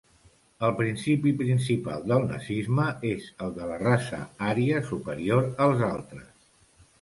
El principi principal del nazisme és el de la raça ària superior als altres.